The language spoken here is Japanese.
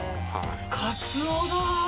カツオだ。